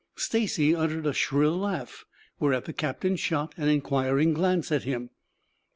Stacy uttered a shrill laugh, whereat the captain shot an inquiring glance at him.